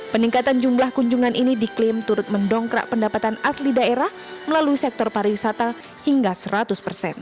peningkatan jumlah kunjungan ini diklaim turut mendongkrak pendapatan asli daerah melalui sektor pariwisata hingga seratus persen